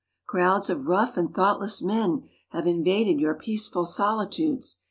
Crowds of rough and thoughtless men have invaded your peaceful soli tudes.